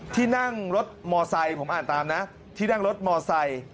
ที่นั่งรถมอไซค์ผมอ่านตามนะที่นั่งรถมอไซค์